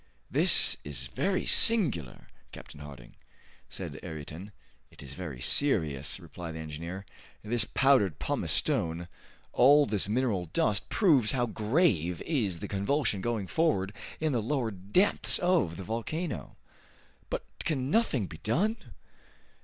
"This is very singular, Captain Harding," said Ayrton. "It is very serious," replied the engineer. "This powdered pumice stone, all this mineral dust, proves how grave is the convulsion going forward in the lower depths of the volcano." "But can nothing be done?"